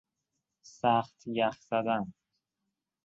سخت یخ زدن